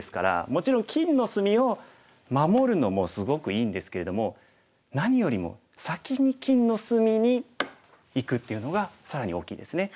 もちろん金の隅を守るのもすごくいいんですけれども何よりも先に金の隅にいくっていうのが更に大きいですね。